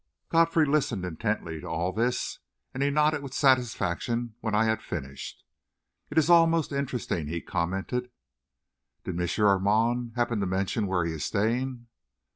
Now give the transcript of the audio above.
Godfrey listened intently to all this, and he nodded with satisfaction when I had finished. "It is all most interesting," he commented. "Did M. Armand happen to mention where he is staying?"